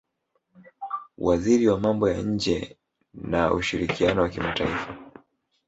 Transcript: waziri wa mambo ya nje na ushirikiano wa kimataifa